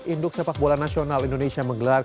induk sepak bola nasional indonesia menggelar